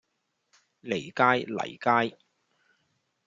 坭街、泥街